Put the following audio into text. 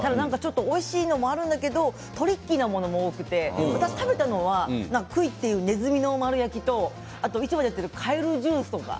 おいしいのもあるんだけどトリッキーなものも多くて私が食べたのはクイというねずみの丸焼きと市場で売っているかえるジュース。